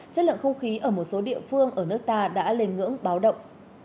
chất lượng không khí ở một số địa phương ở nước ta đã lên ngưỡng báo động